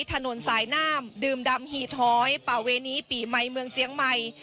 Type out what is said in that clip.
ถนนสายหน้ามดื่มดำหี่ท้อยป่าเวณีปีใหม่เมืองเจียงใหม่